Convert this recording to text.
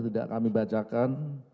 tidak kami bacakan